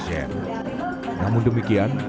namun demikian pihak rumah sakit yang menangkap alvaro